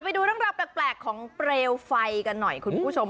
ไปดูรังรับแปลกของเปรียวไฟกันหน่อยคุณผู้ชม